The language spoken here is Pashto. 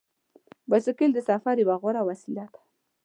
بایسکل د سفر یوه غوره وسیله ده.